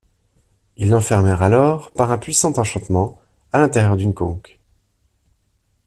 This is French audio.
Ils l’enfermèrent alors, par un puissant enchantement, à l’intérieur d’une conque.